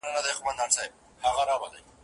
څه ګټلي څه له پلار په میراث وړي